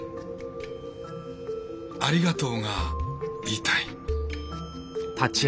「ありがとう」が言いたい。